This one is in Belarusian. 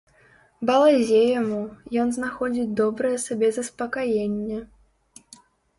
Балазе яму, ён знаходзіць добрае сабе заспакаенне.